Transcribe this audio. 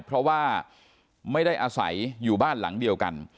เพราะว่าไม่ได้อาศัยอยู่บ้านหลังเดียวกัน